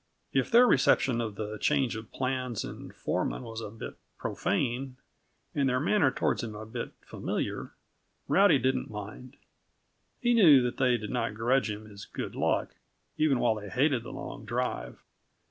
If their reception of the change of plans and foreman was a bit profane, and their manner toward him a bit familiar, Rowdy didn't mind. He knew that they did not grudge him his good luck, even while they hated the long drive.